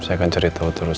saya akan cerita terus